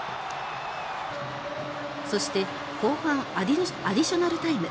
そして後半アディショナルタイム。